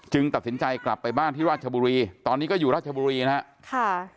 ตัดสินใจกลับไปบ้านที่ราชบุรีตอนนี้ก็อยู่ราชบุรีนะครับ